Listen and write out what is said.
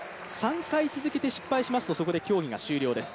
３回続けて失敗しますと、そこで競技が終わりです。